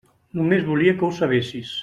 Només volia que ho sabessis.